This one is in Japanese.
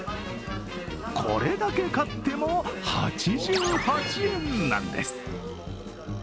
これだけ買っても８８円なんです。